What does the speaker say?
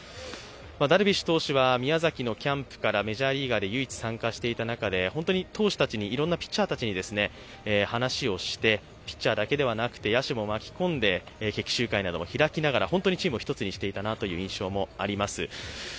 ダルビッシュ投手は宮崎のキャンプからメジャーリーガーで唯一参加していた方で、投手たち、いろんなピッチャーたちに話をして、ピッチャーだけではなく野手も巻き込んで決起集会なども開きながらチームを一つにしていたなという印象もあります。